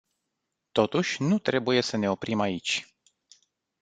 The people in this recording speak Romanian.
Totuși, nu trebuie să ne oprim aici.